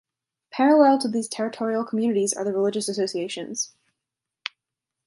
Parallel to these territorial communities are the religious associations.